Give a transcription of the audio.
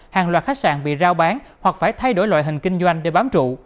hàng loạt khách sạn bị rao bán hoặc phải thay đổi loại hình kinh doanh để bám trụ